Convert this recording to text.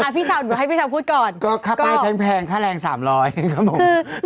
พี่สาวดูให้พี่สาวพูดก่อนเพียงแพงค่าแรง๓๐๐ครับผม